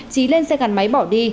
trí lên xe gắn máy bỏ đi